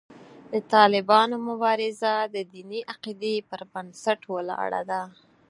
د طالبانو مبارزه د دیني عقیدې پر بنسټ ولاړه ده.